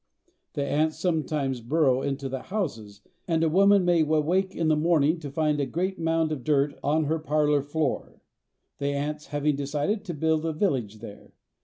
The ants sometimes burrow into the houses, and a woman may awake in the morning to find a great mound of dirt on her parlor floor, the ants having decided to build a village there.